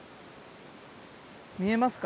見えますか？